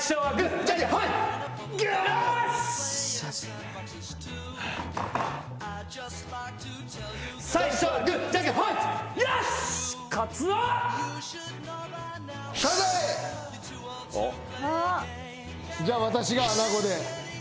じゃあ私がアナゴで。